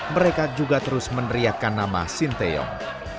mereka juga terus meneriakan nama shin taeyong